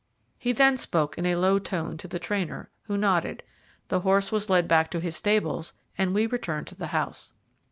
He then spoke in a low tone to the trainer, who nodded; the horse was led back to his stables, and we returned to the house.